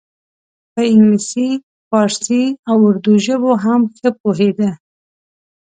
په انګلیسي پارسي او اردو ژبو هم ښه پوهیده.